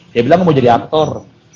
dia bilang mau jadi aktor